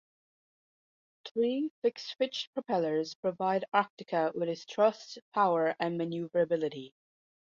Three fixed-pitch propellers provide "Arktika" with its thrust, power, and maneuverability.